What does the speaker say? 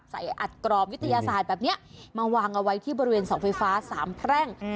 อัดกรอบวิทยาศาสตร์แบบนี้มาวางเอาไว้ที่บริเวณเสาไฟฟ้าสามแพร่ง